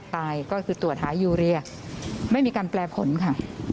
ตายก็คือตรวจหายูเรียไม่มีการแปลผลค่ะ